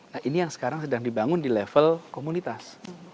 nah ini yang sekarang sedang dibangun di level komunitas